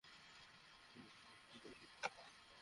আর এটা কোন ক্লাসের ছিলো রে?